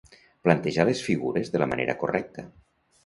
plantejar les figures de la manera correcta